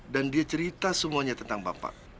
dan dia cerita semuanya tentang bapak